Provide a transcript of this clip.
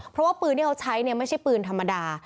เพราะว่าปืนที่เขาใช้เนี่ยไม่ใช่ปืนธรรมดา